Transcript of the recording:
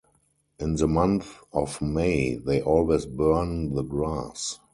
In the month of May they always burn the grass.